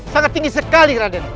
sangat tinggi sekali raden